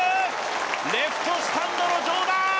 レフトスタンドの上段！